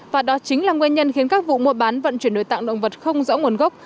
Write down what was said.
và đó chính là nguyên nhân khiến các vụ mua bán vận chuyển nội tạng động vật không rõ nguồn gốc